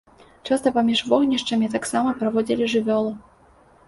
Часта паміж вогнішчамі таксама праводзілі жывёлу.